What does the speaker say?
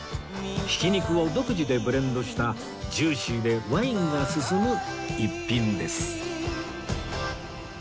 ひき肉を独自でブレンドしたジューシーでワインが進む一品です